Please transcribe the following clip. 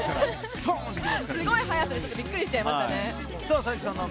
すごい速さでびっくりしちゃいましたね。